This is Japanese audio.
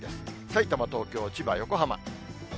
さいたま、東京、千葉、横浜。